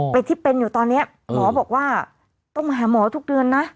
ที่เป็นอยู่ตอนนี้หมอบอกว่าต้องมาหาหมอทุกเดือนนะ